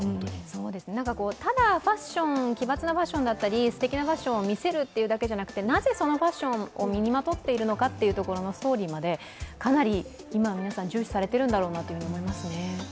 ただ奇抜なファッションだったりすてきなファッションを見せるというだけじゃなくて、なぜそのファッションを身にまとっているかというストーリーまで、かなり今、皆さん、重視されているんだろうと思いますね。